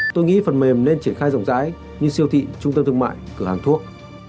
tôi nghĩ phần mềm nên triển khai rộng rãi như siêu thị trung tâm thương mại cửa hàng thuốc